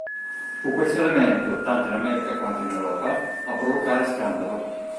Fu questo elemento, tanto in America quanto in Europa, a provocare scandalo.